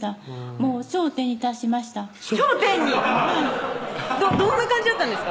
もう頂点に達しました頂点にどんな感じだったんですか？